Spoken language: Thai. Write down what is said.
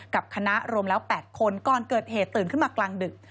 กับคณะรวมแล้ว๘คนก่อนเกิดเหตุตื่นขึ้นมากลางดึก